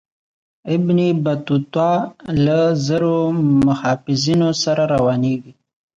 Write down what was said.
ابن بطوطه له زرو محافظینو سره روانیږي.